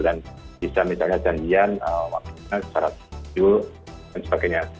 dan bisa misalnya janjian waktunya secara sejujurnya dan sebagainya